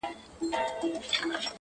• سري وخت دی، ځان له دغه ښاره باسه،